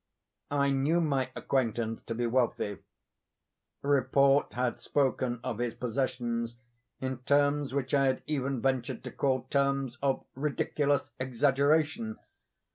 I knew my acquaintance to be wealthy. Report had spoken of his possessions in terms which I had even ventured to call terms of ridiculous exaggeration.